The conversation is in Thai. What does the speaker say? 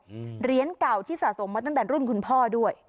เหรียญเก่าที่สะสมมาตั้งแต่รุ่นคุณพ่อด้วย